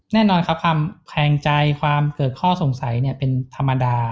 แน่นอนครับความแคลงใจความเกิดข้อสงสัยเป็นธรรมดา